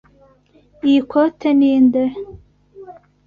Iyi koti ni nde?